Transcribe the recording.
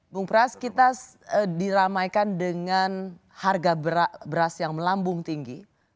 bung pras kita diramaikan dengan harga beras yang melambung tinggi